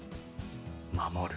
守る。